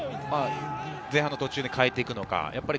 前半の途中で変えていくのか。